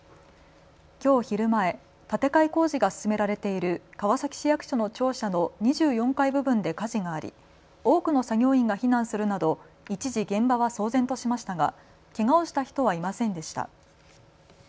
きょう昼前、建て替え工事が進められている川崎市役所の庁舎の２４階部分で火事があり多くの作業員が避難するなど一時、現場は騒然としましたがけがをした人はいませんでした。